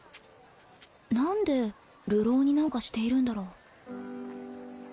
何で流浪人なんかしているんだろう